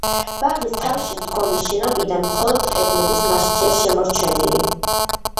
ბაღის თავში მდგომი შენობიდან მხოლოდ კედლების ნაშთია შემორჩენილი.